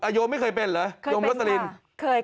หยมไม่เคยเป็นเหรอยมลศลินทร์เคยค่ะ